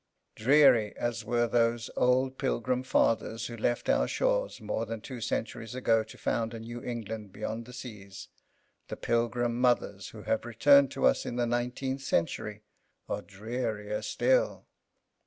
Dreary as were those old Pilgrim Fathers who left our shores more than two centuries ago to found a New England beyond the seas, the Pilgrim Mothers who have returned to us in the nineteenth century are drearier still.